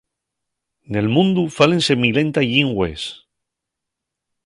Nel mundu fálense milenta llingües.